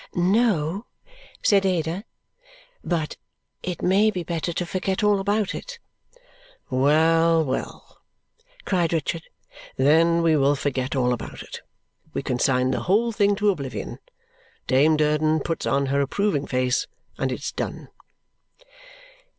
"No," said Ada, "but it may be better to forget all about it." "Well, well," cried Richard, "then we will forget all about it! We consign the whole thing to oblivion. Dame Durden puts on her approving face, and it's done!"